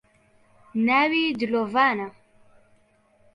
ناوی دلۆڤانە